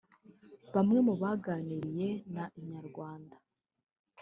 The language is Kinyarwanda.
bamwe mu baganiriye na Inyarwanda